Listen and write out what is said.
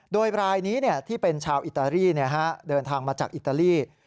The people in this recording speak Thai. โดยรายนี้ที่เป็นชาวอิตาลีเดินทางมาจากอิตาลี